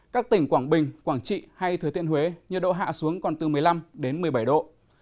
các tỉnh quảng bình quảng trị hay thừa thiên huế nhiệt độ hạ xuống còn từ một mươi năm đến một mươi bảy độ